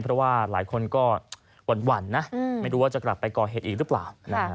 เพราะว่าหลายคนก็หวั่นนะไม่รู้ว่าจะกลับไปก่อเหตุอีกหรือเปล่า